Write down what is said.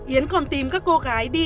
yến còn tìm các cô gái đi